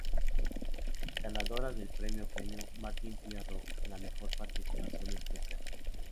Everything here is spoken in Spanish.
Ganadora del premio Premio Martín Fierro a la Mejor participación especial.